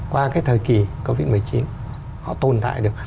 qua cái thời kỳ covid một mươi chín